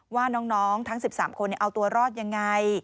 ว่าน้องทั้ง๑๓คนเอาตัวรอดยังไง